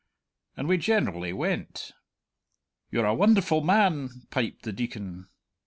And we generally went." "You're a wonderful man!" piped the Deacon.